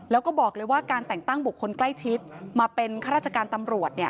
แล้วก็บอกเลยว่าการแต่งตั้งบุคคลใกล้ชิดมาเป็นข้าราชการตำรวจ